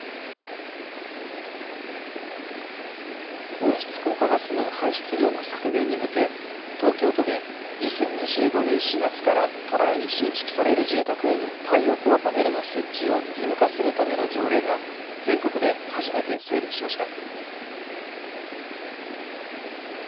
温室効果ガスの排出量の削減に向け東京都で２０２５年４月から都内に新築される住宅への太陽光パネルの設置を義務化するための条例が全国で初めて成立しました。